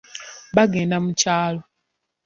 Baagenda mu kyalo.